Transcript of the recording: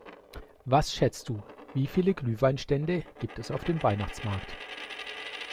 Was schätzt du, wie viele Glühweinstände gibt es auf dem Weihnachtsmarkt?